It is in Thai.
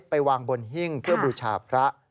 ไปวางบนหิ้งเพื่อบูชาพระ